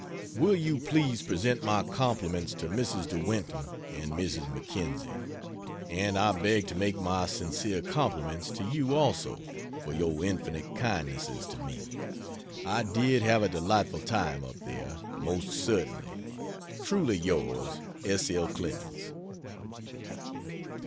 Will you please present my compliments to Mrs. De Winton and Mrs. Mackenzie? and I beg to make my sincere compliments to you, also, for your infinite kindnesses to me. I did have a delightful time up there, most certainly. Truly yours S. L. CLEMENS.